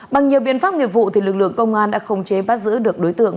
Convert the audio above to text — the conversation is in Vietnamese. bằng nhiều biện pháp nghiệp vụ lực lượng công an đã khống chế bắt giữ được đối tượng